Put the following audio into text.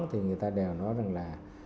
thì người ta đều nói rằng là